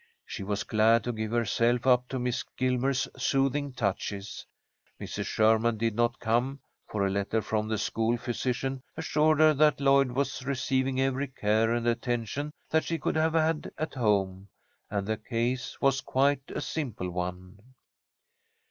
She was glad to give herself up to Miss Gilmer's soothing touches. Mrs. Sherman did not come, for a letter from the school physician assured her that Lloyd was receiving every care and attention that she could have had at home, and the case was quite a simple one.